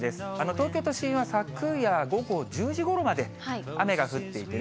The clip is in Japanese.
東京都心は昨夜午後１０時ごろまで雨が降っていてね。